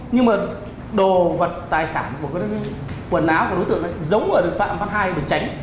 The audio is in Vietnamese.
nhưng mà đồ vật tài sản của quần áo của đối tượng giống là được phạm phát hai bị tránh